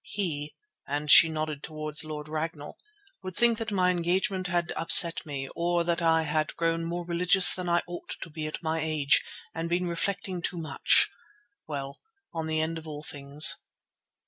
He," and she nodded towards Lord Ragnall, "would think that my engagement had upset me, or that I had grown rather more religious than I ought to be at my age, and been reflecting too much—well, on the end of all things.